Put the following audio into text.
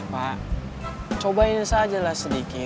pak cobain sajalah sedikit